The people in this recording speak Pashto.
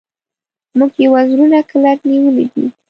موږ یې وزرونه کلک نیولي دي.